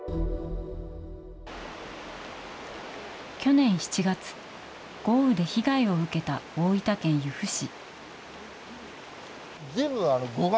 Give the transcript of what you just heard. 去年７月、豪雨で被害を受けた大分県由布市。